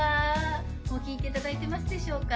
もう聴いていただいてますでしょうか？